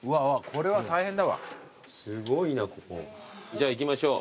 じゃ行きましょう。